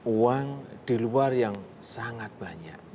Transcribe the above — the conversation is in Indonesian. uang di luar yang sangat banyak